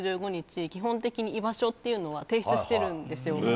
基本的に居場所っていうのは提出してるんですよ。